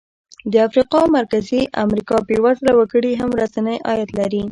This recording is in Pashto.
د افریقا او مرکزي امریکا بېوزله وګړي هم ورځنی عاید لري.